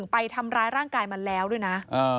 ไปทำร้ายร่างกายมาแล้วด้วยนะ